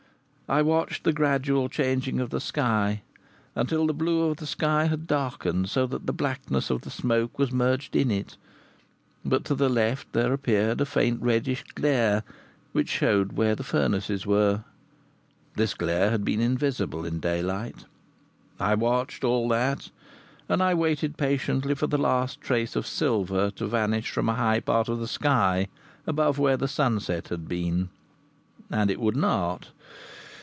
I watched the gradual changing of the sky, until the blue of the sky had darkened so that the blackness of the smoke was merged in it. But to the left there appeared a faint reddish glare, which showed where the furnaces were; this glare had been invisible in daylight. I watched all that, and I waited patiently for the last trace of silver to vanish from a high part of the sky above where the sunset had been and it would not.